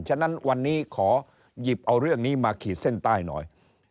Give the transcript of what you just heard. ฉะนั้นวันนี้ขอหยิบเอาเรื่องนี้มาขีดเส้นใต้หน่อย